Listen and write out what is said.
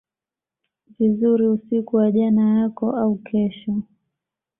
vizuri usiku wa jana yako au kesho